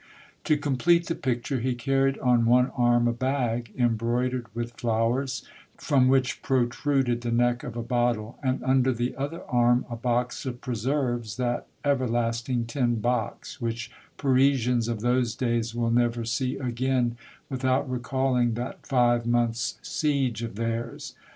To complete the picture, he carried on one arm a bag, embroidered with flowers, from which protruded the neck of a bottle, and under the other arm a box of preserves, that everlasting tin box, which Parisians of those days will never see again without recalling that five months' siege of theirs.